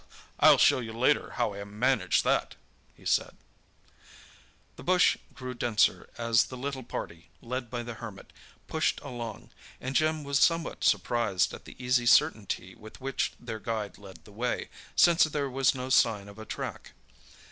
"I'll show you later how I manage that," he said. The bush grew denser as the little party, led by the Hermit, pushed along, and Jim was somewhat surprised at the easy certainty with which their guide led the way, since there was no sign of a track.